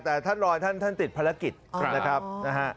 แต่ท่านรอท่านท่านติดภารกิจนะครับนะฮะ